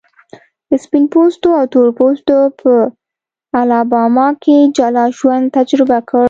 سپین پوستو او تور پوستو په الاباما کې جلا ژوند تجربه کړ.